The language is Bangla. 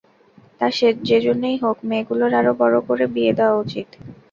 তা যেজন্যই হোক, মেয়েগুলোর আরও বড় করে বিয়ে দেওয়া উচিত।